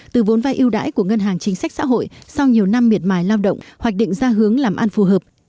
từ vốn vai yêu đãi của ngân hàng chính sách xã hội sau nhiều năm miệt mài lao động hoặc định ra hướng làm ăn phù hợp